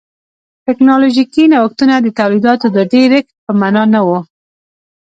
ټکنالوژیکي نوښتونه د تولیداتو د ډېرښت په معنا نه و.